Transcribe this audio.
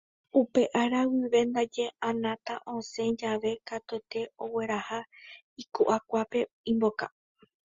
Upe ára guive ndaje Anata osẽ jave katuete ogueraha iku'akuápe imboka